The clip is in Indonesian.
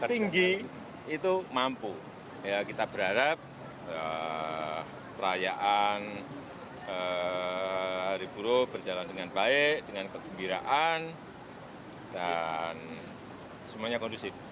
tertinggi itu mampu kita berharap perayaan hari buru berjalan dengan baik dengan kegembiraan dan semuanya kondusif